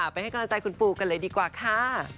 ไปให้กำลังใจคุณปูกันเลยดีกว่าค่ะ